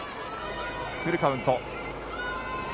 フルカウント。